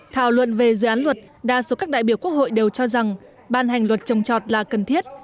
thảo luận về dự án luật đa số các đại biểu quốc hội đều cho rằng ban hành luật trồng trọt là cần thiết